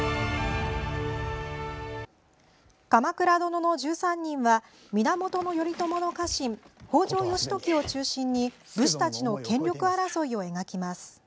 「鎌倉殿の１３人」は源頼朝の家臣、北条義時を中心に武士たちの権力争いを描きます。